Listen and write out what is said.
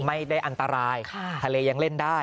ไม่ได้อันตรายทะเลยังเล่นได้